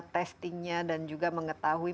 testingnya dan juga mengetahui